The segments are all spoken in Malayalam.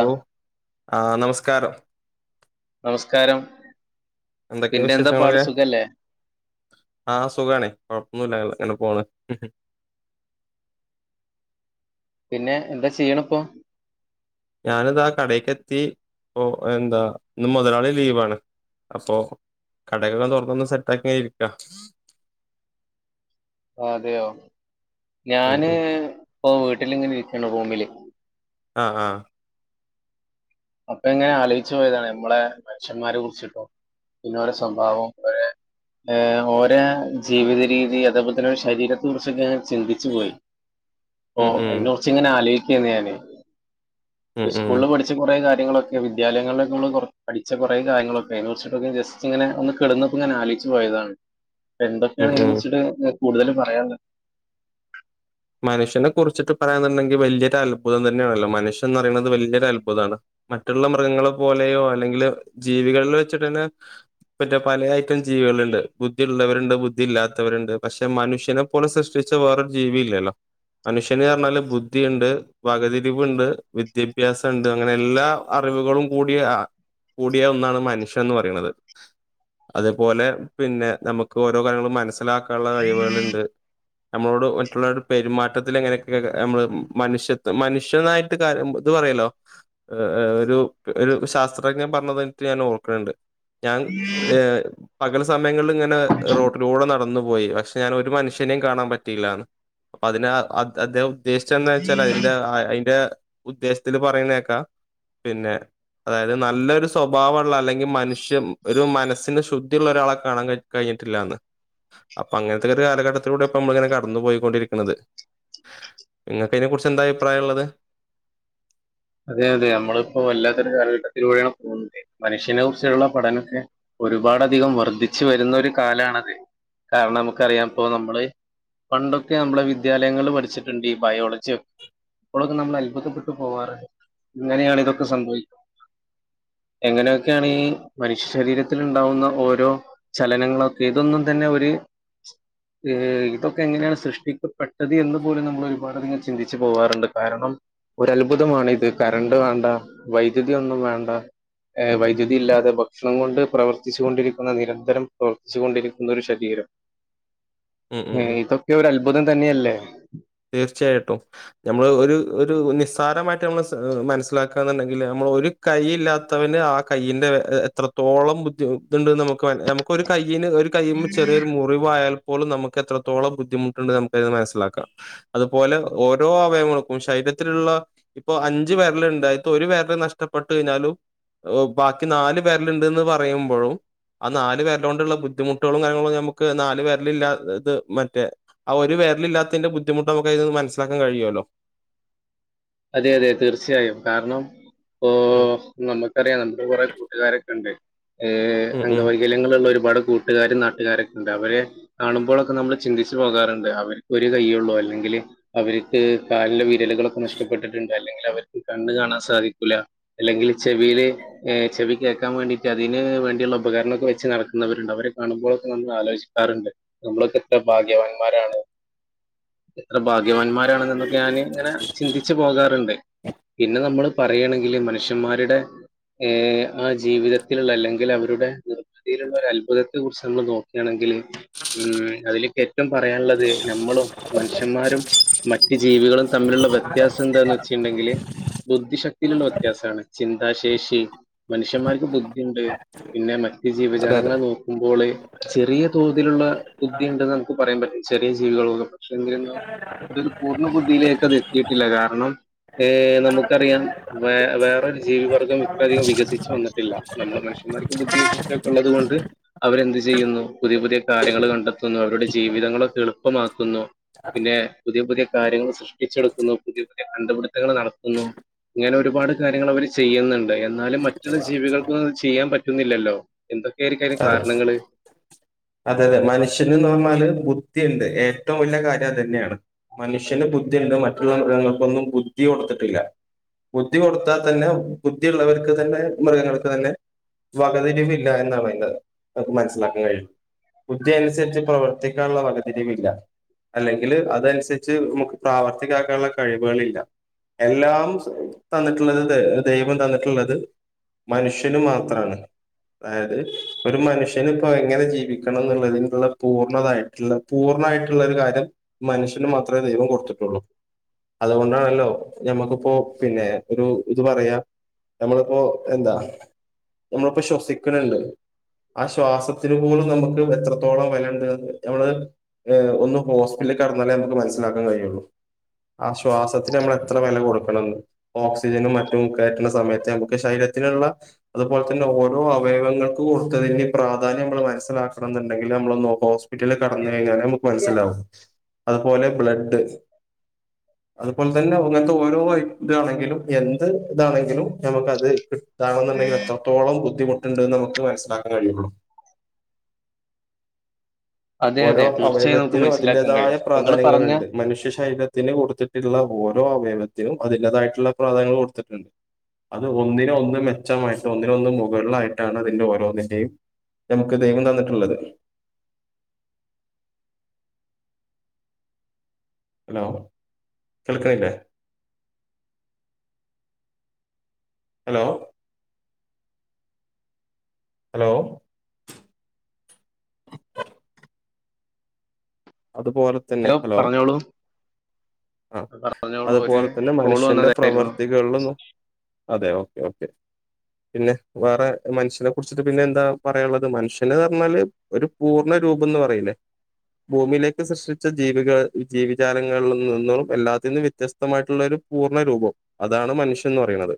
ആ ആഹ് നമസ്കാരം നമസ്കാരം എന്തൊക്കെ പിന്നെന്താപ്പാട് സുഖല്ലേ ആഹ് സുഖണേ കൊഴപ്പൊന്നുല്ല അങ്ങനെ പോണ് പിന്നെ എന്താ ചെയ്യണ് ഇപ്പോം ഞാനിതാ കടേക്ക് എത്തി ഒ എന്താ ഇന്ന് മൊതലാളി ലീവാണ് അപ്പോ കടകള് തൊറന്നൊന്ന് സെറ്റ് ആക്കി ഇരിക്കാ അതെയോ ഉം ഞാന് ഉം ഇപ്പോ വീട്ടില് ഇങ്ങനെ ഇരിക്കാണ് റൂമില് ആഹ് ആഹ് അപ്പ ഇങ്ങനെ ആലോചിച്ചു പോയതാണ് ഞമ്മളേ മനുഷ്യന്മാരെ കുറിച്ചിട്ടോ പിന്ന ഓര സ്വഭാവോം ഓരെ ഓരാ ജീവിത രീതി അതേപോലെ തന്നെ ശരീരത്തിനക്കുറിച്ചൊക്കെ ഞാൻ ചിന്തിച്ചു പോയി [inaudible] ഓ ഉം ഉം അയിന കുറച്ച് ഇങ്ങനെ ആലോയിക്കേന്ന് ഞാന് ഉം ഉം സ്കൂളില് പഠിച്ച കൊറെ കാര്യ ങ്ങളു ഒക്കെ വിദ്യാലങ്ങളിലൊക്കകൊറ പഠിച്ച കൊറേ കാര്യങ്ങളൊക്കെ അത് വച്ചിട്ടൊക്കെ ജസ്റ്റ് ഇങ്ങനെ ഒന്ന് കെടുന്നപ്പോങ്ങന ആലോയിച്ചു പോയതാണ് ഉം എന്തൊക്കെയാണ് അയിനെ ഉം കുറിച്ചിട്ട് കൂടുതലും പറയാൻ ഉള്ളത് മനുഷ്യനെ കുറിച്ചിട്ട് പറയാന്നുണ്ടെങ്കിൽ വല്ലിയൊരത്ഭുതം തന്നെ ആണല്ലോ മനുഷ്യനെന്ന് പറയണത് വല്യ ഒരത്ഭുതാണ് മറ്റുള്ള മൃഗങ്ങളെ പോലെയോ അല്ലെങ്കില് ജീവികളില് വെച്ചിട്ടന്നേ മറ്റേ പലേ ഐറ്റം ജീവികള്ണ്ട് ബുദ്ധി ഉള്ളവരുണ്ട് ബുദ്ധി ഇല്ലാത്തവരുണ്ട് പക്ഷേ മനുഷ്യനും പോലെ സൃഷ്ടിച്ച വേറൊരു ജീവി ഇല്ലല്ലോ മനുഷ്യന് പറഞ്ഞാല് ബുദ്ധി ഇണ്ട് വകതിരിവുണ്ട് വിദ്യാഭ്യാസൊണ്ട് അങ്ങനെ എല്ലാ അറിവുകളും കൂടി ആഹ് കൂടിയ ഒന്നാണ് മനുഷ്യൻ എന്ന് പറയണത് അതേപോലെ പിന്നെ നമുക്ക് ഓരോ കാര്യങ്ങളും മനസ്സിലാ ക്കാനുള്ള കഴിവുകള് ഇണ്ട് നമ്മളോട് മറ്റുള്ളവര് പെരുമാറ്റത്തില് എങ്ങനെയൊക്കെ ഞമ്മള് മനുഷ്യത്ത്വം മനുഷ്യനായിട്ട് കാര്യം ഇത് പറയലോ ഏ ഒരു ഒരു ശാസ്ത്രജ്ഞൻ പറഞ്ഞതേയിറ്റ് ഞാൻ ഓർക്കണ് ണ്ട് ഞാൻ ഏഹ് പകല് സമയങ്ങളില് ഇങ്ങനെ റോഡിലൂടെ നടന്നു പോയി പക്ഷേ ഞാൻ ഒരു മനുഷ്യനെയും കാണാൻ പറ്റിയില്ലാന്ന് അപ്പ അതിന അദ്ദേഹം ഉദ്ദേശിച്ചെന്ന് വെച്ചാല് അയിന്റ അയിന്റ ഉദ്ദേശത്തില് പറയുന്നേക്കാം പിന്നെ അതായത് നല്ലൊരു സ്വഭാവ ഒള്ള അല്ലെങ്കിൽ മനുഷ്യം ഒരു മനസ്സിന് ശുദ്ധിയുള്ള ഒരാളെ കാണാൻ കഴി കഴിഞ്ഞിട്ടില്ലാന്ന് അപ്പോ അങ്ങനെത്തെരു കാലഘട്ടത്തിലൂടെ ഇപ്പം ഞമ്മളിങ്ങനെ കടന്നു പോയി കൊണ്ടിരി ക്കണത് ഇങ്ങൾക്ക് അയിനെ കുറിച്ച് എന്താ അഭിപ്രായം ഉള്ളത് അതെ അതെയമ്മളിപ്പോ വല്ലാത്തൊരു കാലഘട്ടത്തിലൂടെയാണ് പോവുന്നേ മനുഷ്യന കുറിച്ചുള്ള പടനോക്കെ ഒരുപാട് അധികം വർധിച്ചു വരുന്നൊരു കാലാണത് കാരണം നമുക്കറിയാം ഇപ്പോ നമ്മള് പണ്ടൊക്കെ നമ്മളെ വിദ്യാലയങ്ങള് പഠിച്ചിട്ടുണ്ട് ഈ ബയോളജിയൊക് അപ്പോളൊക്കെ നമ്മള് അത്ഭുതപ്പെട്ടു പോവാറുണ്ട് എങ്ങനെയാണ് ഇതൊക്കെ സംഭവിക്കുന്ന എങ്ങനെ ഒക്കെയാണ് മനുഷ്യ ശരീരത്തിൽ ഉണ്ടാവുന്ന ഓരോ ചലനങ്ങളൊക്കെ ഇതൊന്നും തന്നെ ഒര് ഏ ഇതൊക്കെ എങ്ങനെയാണ് സൃഷ്ടിക്കപ്പെട്ടത് എന്ന് പോലും നമ്മള് ഒരുപാട് അധികം ചിന്തിച്ചു പോവാറുണ്ട് കാരണം ഒരു അത്ഭുതമാണ് ഇത് കറന്റ് വേണ്ട വൈദ്യുതി ഒന്നും വേണ്ട ഏ വൈദ്യുതി ഇല്ലാതെ ഭക്ഷണം കൊണ്ട് പ്രവർത്തിച്ച് കൊണ്ടിരിക്കുന്ന നിരന്തരം പ്രവർത്തിച്ച് കൊണ്ടിരിക്കുന്ന ഒരു ശരീരം ഉം ഉം ഏ ഉം. ഇതൊക്കെ ഒരു അത്ഭുതം തന്നെയല്ലേ തീർച്ചയായിട്ടും നമ്മള് ഒരു ഒരു നിസ്സാരമായിട്ട് നമ്മള് മനസ്സിലാക്കുക എന്നുണ്ടെങ്കില് നമ്മള് ഒരു കൈ ഇല്ലാത്തവന് ആ കയ്യിന്റെ എത്രത്തോളം ബുദ്ധിമുട്ട് ഉണ്ടെന്ന് നമുക്ക് മ നമു ക്ക് ഒരു കയ്യിന് ഒരു കയ്യിമേ ചെറിയൊരു മുറിവായാൽ പോലും നമുക്ക് എത്രത്തോളം ബുദ്ധിമുട്ടുണ്ട് നമുക്കതിൽ നിന്ന് മനസ്സിലാക്കാം അതുപോലെ ഓരോ അവയവങ്ങൾക്കും ശരീരത്തിലുള്ള ഇപ്പൊ അഞ്ച് വെരലുണ്ട്‌ അയിത്ത് ഒരു വെരല് നഷ്ടപ്പെട്ട് കഴിഞ്ഞാലും ബാക്കി നാല് വെരലുണ്ടന്ന് പറയുമ്പോഴും ആഹ് നാല് വിരല് കൊണ്ടുള്ള ബുദ്ധിമുട്ടുകളും കാര്യങ്ങളും നമക്ക് നാല് വെരല് ഇല്ല ഇത് മറ്റേ ആഹ് ഒരു വിരല് ഇല്ലാത്തതിന്റെ ബുദ്ധിമുട്ട് നമുക്ക് അതിൽനിന്ന് മനസിലാക്കാൻ കഴിയുവല്ലോ അതെ അതെ തീർച്ചയായും കാരണം ഓ ഉം നമുക്കറിയാം നമ്മുടെ കുറെ കൂട്ടുകാരൊക്കെ ഉണ്ട് ഉം ഉം അംഗവൈ ഗല്യങ്ങളുള്ള ഒരുപാട് കൂട്ടുകാരും നാട്ടുകാരൊക്കെ ഉണ്ട് അവരെ കാണുമ്പോഴൊക്കെ നമ്മള് ചിന്തിച്ച് പോകാറുണ്ട് അവർക്ക് ഒരു കയ്യേയുള്ളൂ അല്ലെങ്കില് അവർക്ക് കാലിലെ വിരലുകളൊക്കെ നഷ്ടപ്പെട്ടിട്ടുണ്ട് അല്ലെങ്കിൽ അവർക്ക് കണ്ണ് കാണാൻ സാധിക്കൂല അല്ലെങ്കിൽ ചെവിയില് ഏ ചെവി കേക്കാൻ വേണ്ടിട്ട് അതിന് വേണ്ടിയുള്ള ഉപകരണവൊക്കെ വെച്ച് നടക്കുന്നവരുണ്ട് അവരെ കാണുമ്പോഴൊക്കെ നമ്മള് ആലോചി ക്കാറുണ്ട് നമ്മളൊക്കെ എത്ര ഭാഗ്യവാന്മാരാണ് എത്ര ഭാഗ്യവാന്മാരാണ് എന്നൊക്കെ ഞാൻ ഇങ്ങനെ ചിന്തിച്ചു പോകാ റുണ്ട്‌ പിന്നെ നമ്മള് പറയാണെങ്കില് മനുഷ്യന്മാരുടെ ഏ ആ ജീവിതത്തിലുള്ള അല്ലെങ്കിൽ അവരുടെ തിലുള്ള അത്ഭുതത്തെ കുറിച്ച് നമ്മൾ നോക്കുകയാണെങ്കില് ഉം അതിലൊക്കെ കുറ്റം പറയാനുള്ളത് നമ്മളും മനുഷ്യന്മാരും മറ്റ് ജീവികളും തമ്മിലുള്ള വ്യത്യാസം എന്താന്ന് വച്ചിട്ടുണ്ടെങ്കിൽ ബുദ്ധിശക്തിയിലുള്ള വ്യത്യാസമാണ് ചി ന്താശേഷി മനുഷ്യന്മാർക്ക് ബുദ്ധിയുണ്ട് പിന്നെ മറ്റ് അതെ അതെ ജീവജാലങ്ങളെ നോ ക്കുമ്പോള് ചെറിയ തോതിലുള്ള ബുദ്ധിയുണ്ടെന്ന് നമുക്ക് പറയാൻ പറ്റും ചെറിയ ജീവികൾക്കൊക്കെ [unintelligible] [unintelligible] ബുദ്ധിയിലേക്ക് അത് എത്തിയിട്ടില്ല കാരണം ഏ നമുക്കറിയാം വേറൊരു ജീവിവർഗം ഇത്രയധികം വികസിച്ചു വന്നിട്ടില്ല നമ്മള് മനുഷന്മാർക്ക് ബുദ്ധിയും ശക്തിയും ഒക്കെ ഉള്ളത് കൊണ്ട് അവരെന്ത് ചെയ്യുന്നു പുതിയ പുതിയ കാര്യങ്ങൾ കണ്ടെത്തുന്നു അവരുടെ ജീവിതങ്ങളൊക്കെ എളുപ്പമാക്കുന്നു പിന്നെ പുതിയ പുതിയ കാര്യങ്ങള് സൃഷ്ടിച്ചെടുക്കുന്നു പുതിയ പുതിയ കണ്ടുപിടുത്തങ്ങള് നടത്തുന്നു ഇങ്ങനെ ഒരുപാട് കാര്യങ്ങള് അവര് ചെയ്യുന്നുണ്ട് എന്നാലും മറ്റുള്ള ജീവികൾക്കൊന്നും ചെയ്യാൻ പറ്റുന്നില്ലല്ലോ എന്തൊക്കെ ആയിരിക്കും അതിന് അതെ കാരണങ്ങള് അതെ അതെ മനുഷ്യന് എന്ന് പറഞ്ഞാല് ബുദ്ധിയുണ്ട് ഏറ്റവും വലിയ കാര്യം അ തന്നെയാണ് മനുഷ്യന് ബുദ്ധിയുണ്ട് മറ്റുള്ള മൃഗങ്ങൾക്കൊന്നും ബുദ്ധി കൊടുത്തിട്ടില്ല ബുദ്ധി കൊടുത്താൽ തന്നെ ബുദ്ധിയുള്ളവർക്ക് തന്നെ മൃഗങ്ങൾക്ക് തന്നെ വകതിരിവില്ല എന്നാണ് അതിന്റെ നമുക്ക് മനസ്സിലാക്കാൻ കഴിയുന്നത് ബുദ്ധി അനുസരിച്ച് പ്രവർത്തിക്കാനുള്ള വകതിരിവില്ല അല്ലെങ്കില് അതനുസരിച്ച് നമുക്ക് പ്രാവർത്തികം ആക്കാനുള്ള കഴിവുകളില്ല എല്ലാം തന്നിട്ടുള്ളത് ദൈവം തന്നിട്ടുള്ളത് മനുഷ്യന് മാത്രമാണ് അതായത് ഒരു മനുഷ്യന് ഇപ്പോ എങ്ങനെ ജീവിക്കണം എന്നുള്ളതിനുള്ള പൂർണ്ണതായിട്ടുള്ള പൂർണ്ണമായിട്ടുള്ള ഒരു കാര്യം മനുഷ്യന് മാത്രമേ ദൈവം കൊടുത്തിട്ടുള്ളൂ അതുകൊണ്ടാണല്ലോ ഞമ്മക്കിപ്പോ പിന്നെ ഒരു ഇത് പറയാ നമ്മളിപ്പോ എന്താ നമ്മളിപ്പോ ശ്വസിക്കണല്ലേ ആ ശ്വാസത്തിനു പോലും നമുക്ക് എത്രത്തോളം വില ഉണ്ട് നമ്മള് ഒന്ന് ഹോസ്പറ്റലിൽ കിടന്നാലേ നമക്ക് നസിലാക്കാൻ കഴിയുള്ളൂ ആ ശ്വാസത്തിന് നമ്മൾ എത്ര വില കൊടുക്കണംന്ന് ഓക്സിജനും മറ്റും കയറ്റുന്ന സമയത്ത് നമുക്ക് ശരീരത്തിനുള്ള അതുപോലെ തന്നെ ഓരോ അവയവങ്ങൾ കൊടുത്തതിന്റെ പ്രാധാന്യം നമ്മൾ മനസ്സിലാക്കണംന്ന് ഉണ്ടെങ്കിൽ നമ്മൾ ഒന്ന് ഹോ വീട്ടിൽ കടന്ന് കഴിഞ്ഞാലേ നമുക്ക് മനസ്സിലാവും അതുപോലെ ബ്ലഡ് അതുപോലെ തന്നെ അങ്ങനത്തെ ഓരോ ഇത് ആണെങ്കിലും എ ത് ഇതാണെങ്കിലും നമുക്ക് അത് കിട്ടാണെന്നുണ്ടെങ്കിൽ എത്രത്തോളം ബുദ്ധിമുട്ടുണ്ട്ന്ന് നമുക്ക് മസ്സിലാക്കാൻ കഴിയുള്ളൂ അതെ ഓരോ അതെ തീർച്ചയായും നമുക്ക് അവയവത്തിനും അതിന്റെ മനസ്സിലാക്കാൻ തായ കഴിയും നിങ്ങൾ പറഞ്ഞ പ്രാധാന്യങ്ങളുണ്ട് മനുഷ്യ ശരീര ത്തിന് കൊടുത്തിട്ടുള്ള ഓരോ അവയവത്തിനും അതിന്റേതായിട്ടുള്ള പ്രാധാന്യ കൊടുത്തിട്ടുണ്ട് അത് ഒന്നിനോന് ഒന്ന് മെച്ചമായിട്ട് ഒന്നിന ഒന്ന് മുകളിലായിട്ടാണ് അതിന്റെ ഓരോന്നിന്റെയും നമുക്ക് ദൈവം തന്നിട്ടുള്ളത് ഹലോ കേൾക്കണ്ല്ലേ ഹലോ ഹലോ അതുപോലെ ഹലോ പറഞ്ഞോളൂ ആ പറഞ്ഞോളൂ ഒരു അതുപോലെ തന്നെ കോള് മനുഷ്യന്റെ വന്നതായിരുന്നു പ്രവർത്തികളിലും അതെ ഓക്കെ ഓക്കേ പിന്നെ വേറെ മനുഷ്യനെ കുറിച്ചിട്ട് പിന്നെ എന്താ പറയാനുള്ളത് മനുഷ്യന് പറഞ്ഞാല് ഒരു പൂർണ്ണ രൂപംന്ന് പറയൂലേ ഭൂമിയിലേക്ക് സൃഷ്ടിച്ച ജീവികൾ ജീവിജാലങ്ങളിൽ നിന്നും എല്ലാത്തിൽ നിന്നും വ്യത്യസ്ത- വിത്യസ്തമായിട്ടുള്ള ഒരു പൂർണ്ണരൂപം അതാണ് മനുഷ്യൻ എന്ന് പറയുന്നത്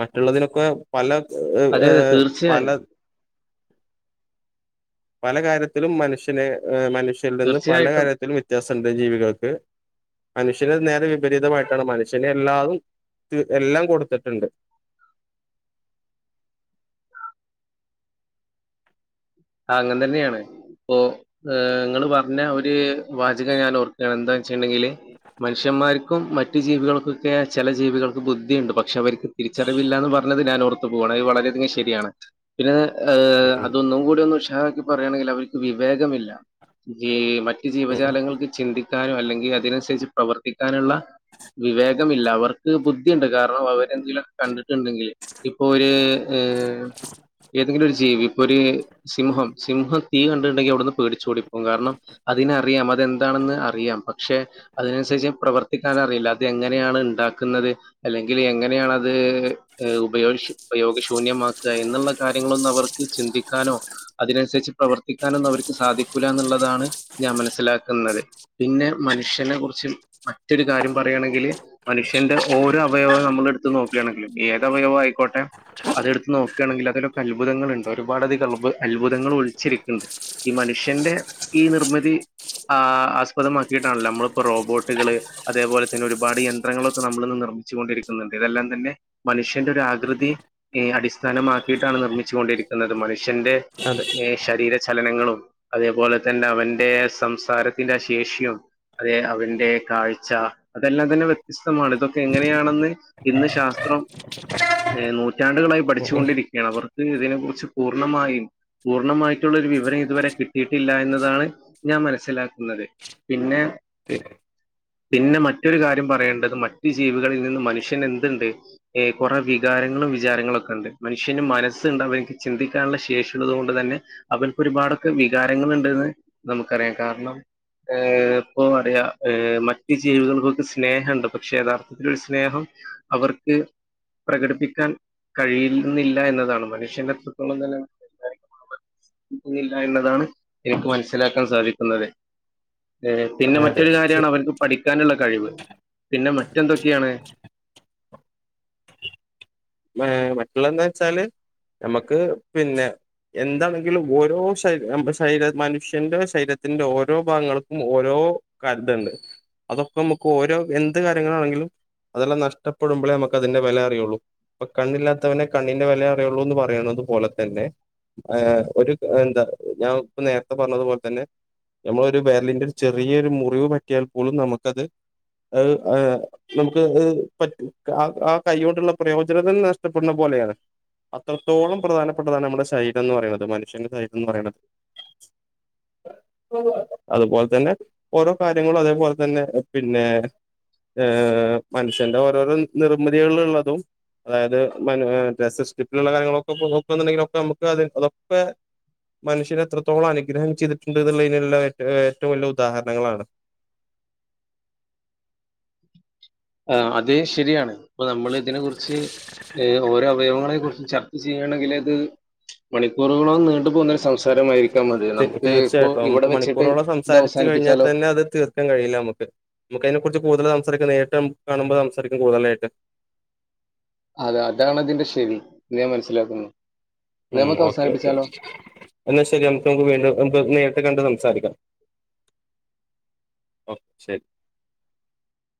മറ്റുള്ളതിനൊക്കെ പല അതെ ഏ അതെ പല തീർച്ചയായും പല കാര്യത്തിലും മനുഷ്യനെ മനുഷ്യ- ൽ നിന്ന് പല തീർച്ചയായിട്ടും കാര്യത്തിലും വ്യത്യാസംമുണ്ട് ജീവികൾക്ക് മനുഷ്യന് നേരെ വിപരീതമായിട്ടാണ് മനുഷ്യനെ എല്ലാതും എല്ലാം കൊടുത്തിട്ടുണ്ട്. ആ അങ്ങൻ തന്നെയാണ് അപ്പൊ നിങ്ങള് പറഞ്ഞ ഒര് വാചകം ഞാൻ ഓർക്കുകയാണ് എന്താ വെച്ചിട്ടുണ്ടെങ്കില് മനുഷ്യന്മാർക്കും മറ്റു ജീവികൾക്കും ഒക്കെ ചില ജീവികൾക്ക് ബുദ്ധിയുണ്ട് പക്ഷെ അവർക്ക് തിരിച്ചറിവില്ലാന്ന് പറഞ്ഞത് ഞാൻ ഓർത്തു പോകയാണ് അത് വളരെയധികം ശരിയാണ് പിന്നെ ഉം ഏഹ് ഉം അതൊന്നും കൂടി ഉഷാറാക്കി പറയാണെങ്കിൽ അവർക്ക് വിവേകമില്ല ഈ മറ്റ് ഉം ജീവജാലങ്ങൾക്ക് ചിന്തി- ക്കാനോ അല്ലെങ്കിൽ അതിനനുസരിച്ച് പ്രവർത്തിക്കാനുള്ള വിവേകമില്ല അവർക്ക് ബുദ്ധിയുണ്ട് കാരണം അവ- എന്തെങ്കിലും ഒക്കെ കണ്ടിട്ടുണ്ടെങ്കിൽ ഇപ്പൊ ഒരു ഏതെങ്കിലും ഒരു ജീവി ഒരു സിംഹം സിംഹം തീ കണ്ടിട്ടുണ്ടെങ്കി അവിടുന്ന് പേടിച്ച് ഓടിപ്പോകും കാരണം അതിനറിയാം അതെന്താണെന്ന് അറിയാം പക്ഷെ- അതിനുസരിച്ച് പ്രവർത്തിക്കാൻ അറിയില്ല അത് എങ്ങനെയാണ് ഉണ്ടാക്കുന്നത് അല്ലെങ്കിൽ എങ്ങനെയണ അത് ഉപയോഗ ഉപയോഗശൂന്യമാക്കുക എന്നുള്ള കാര്യങ്ങളൊന്ന് അവർക്ക് ചിന്തിക്കാനോ അതിനനുസരിച്ച് പ്രവർത്തിക്കാനൊന്നും അവർക്ക് സാധിക്കില്ല എന്നുള്ളതാണ് ഞാൻ മനസ്സിലാക്കുന്നത്. പിന്നെ മനുഷ്യനെ കുറിച്ച് മറ്റൊരു കാര്യം പറയാണെങ്കില്- മനുഷ്യന്റെ ഓരോ അവയവവും നമ്മൾ എടുത്ത- നോക്കുകയാണെങ്കിലും, ഏത് അവയവം ആയിക്കോട്ടെ- അതെടുത്ത് നോക്കുകയാണെങ്കിൽ അതിലൊക്കെ അത്ഭുതങ്ങളുണ്ട് ഒരുപാട് അത്- അത്ഭുതങ്ങൾ ഒഴിച്ചിരിക്കുന്നുണ്ട്. ഈ മനുഷ്യന്റെ ഈ നിർമ്മിതി- ആ ആസ്പദമാക്കിയിട്ടാണല്ലോ, നമ്മളിപ്പോൾ റോബോട്ടുകള്- അതേപോലെ തന്നെ ഒരുപാട് യന്ത്രങ്ങളൊക്കെ നമ്മളിന്ന്- നിർമ്മിച്ചു കൊണ്ടിരിക്കുന്നുണ്ട്. ഇതെല്ലാം തന്നെ- മനുഷ്യന്റെ ഒരു ആകൃതി അടിസ്ഥാനമാക്കിയിട്ടാണ്- നിർമ്മിച്ചു കൊണ്ടിരിക്കുന്നത്. മനുഷ്യന്റെ- അതെ ഏ ശരീര ചലനങ്ങളും, അതേപോലെ തന്നെ അവന്റെ- സംസാരത്തിന്റെ ശേഷിയും, അതെ അവന്റെ കാഴ്ച, അതെല്ലാം തന്നെ വ്യത്യസ്തമാണ്. ഇതൊക്കെ എങ്ങനെയാണെന്ന- ഇന്ന് ശാസ്ത്രം ഏ നൂറ്റാണ്ടുകളായി- ഉം ഉം പഠിച്ചുകൊണ്ടിരിക്കുകയാണ്, അവർക്ക് ഇതിനെ കുുറിച്ച്- പൂർണ്ണമായും, പൂർണ്ണമായിട്ടുള്ള ഒരു വിവരം- ഇതുവരെ കിട്ടിയിട്ടില്ല- എന്നതാണ് ഞാൻ മനസ്സിലാക്കുന്നത്. പിന്നെ, പിന്നെ മറ്റൊരു കാര്യം പറയേണ്ടത്, മറ്റ് ജീവികളിൽ നിന്ന് മനുഷ്യൻ എന്തുണ്ട്? ഏ കുറെ വികാരങ്ങളും, വിചാരങ്ങളും, ഒക്കെ ഉണ്ട് മനുഷ്യന് മനസ്സ്ണ്ട് അവനിക്ക്- ചിന്തിക്കാനുള്ള ശേഷി - ള്ളത് കൊണ്ട് തന്നെ അവർക്ക്- ഒരുപാടൊക്കെ വികാരങ്ങൾ- ഉണ്ട്ന്ന് നമുക്ക്റിയാം. കാരണം- ഏ ഇപ്പോന്താ പറയാ മറ്റൂ- ജീവികൾക്കൊക്കെ സ്നേഹമുണ്ട്. പക്ഷേ യഥാർത്ഥ- സ്നേഹം അവർക്ക്- പ്രകടിപ്പിക്കാൻ കഴിയുന്നില്ല- എന്നതാണ് മനുഷ്യന്റെ- അത്രത്തോളം നില. ന്നില്ല എന്നതാണ് എനിക്ക്- മനസ്സിലാക്കാൻ സാധിക്കുന്നത്. ഏ പിന്നെ അതെ അതെ മറ്റൊരു കാര്യമാണ്- അവർക്ക് പഠിക്കാനുള്ള കഴിവ്- പിന്നെ മറ്റെന്തൊക്കെയാണ്? മറ്റുള്ളന്താ വെച്ചാല് നമുക്ക് പിന്നെ- എന്താണെങ്കിലും ഓരോ ശരീര- മനുഷ്യന്റെ ശരീരത്തിന്റെ ഓരോ- ഭാഗങ്ങൾക്കും ഓരോ- അടുത്തുണ്ട്. അതൊക്കെ നമുക്ക് ഓരോ എന്ത് കാര്യങ്ങളാണെങ്കിലും, അതെല്ലാം നഷ്ടപ്പെടുമ്പോഴേ നമുക്ക്- അതിന്റെ വില അറിയുള്ളൂ. ഇപ്പോ കണ്ണില്ലാത്തവനെ കണ്ണിന്റെ, വിലയറിയുള്ളൂന്ന് പറയണ അതുപോലെ തന്നെ. ആ ഒരു എന്താ ഞാൻ ഇപ്പ- നേരത്തെ പറഞ്ഞതുപോലെ തന്നെ. നമ്മള ഒരു വെരലിന്റെ ഒരു- ചെറിയൊരു മുറിവ് പറ്റിയാൽ പോലും നമുക്കത്. നമുക്ക് ആ, പറ്റും ആ, കൈയ്യോണ്ടുള്ള- പ്രയോജനങ്ങൾ നഷ്ടപ്പെടുന്ന പോലെയാണ്. അത്രത്തോളം പ്രധാനപ്പെട്ടതാണ് നമ്മുടെ ശരീരം എന്ന്- പറയുന്നത്, മനുഷ്യന്റെ ശരീരം എന്ന് പറയുന്നത്. [inaudible] അതുപോലെത്തന്നെ ഓരോ- കാര്യങ്ങളും അതേപോലെ തന്നെ പിന്നെ, മനുഷ്യന്റെ ഓരോരോ- നിർമ്മിതികളുള്ളതും. അതായത് ഡ്രസ് സ്റ്റിപ്പിലുള്ള കാര്യങ്ങളൊക്കെ- നോക്കുന്നുണ്ടെങ്കിലൊക്കെ നമുക്ക്- അത് അതൊക്കെ. മനുഷ്യന് എത്രത്തോളം അനുഗ്രഹം ചെയ്തിട്ടുണ്ട് എന്നുള്ളതിനുള്ള ഏറ്റവും വലിയ- ഉദാഹരണങ്ങളാണ്. ആഹാ അത് ശരിയാണ്, അപ്പോ നമ്മൾ ഇതിനെ കുറിച്ച് ഓരോ, അവയവങ്ങളെ കുറിച്ചും ചർച്ച ചെയ- ചെയ്യാണെങ്കിലിത്- മണിക്കൂറുകളോളം നീണ്ട്. പോകുന്നൊരു സംസാരമായിരിക്കാം മതി നമുക്ക്, ഇപ്പോ തീർച്ചയായിട്ടും ഇവിടെ നമുക്ക് വെച്ചിട്ട് മണിക്കൂറോളം ഇത് സംസാരിച്ചു കഴിഞ്ഞാൽ അവസാനിപ്പിച്ചാലോ? തന്നെ അത് തീ- ക്കാൻ കഴിയില്ല നമുക്ക് നമുക്കതിനെ കുറിച്ച് കൂടുതൽ- സംസാരിക്കാം നേട്ടം കാണുമ്പോ- സംസാരിക്കും കൂടുതലായിട്ട്. അതെ അതാണ് അതിന്റെ ശരി- എന്ന് ഞാൻ മനസ്സിലാക്കുന്നു. ഉ ഇത് നമുക്ക് ഓക്കെ, ഓക്കെ അവസാനിപ്പിച്ചാലോ എന്നാ ശരി. നമുക്ക് വീണ്ടും നേരിട്ട് കണ്ട് സംസാരിക്കാം. കൊറച്ച്.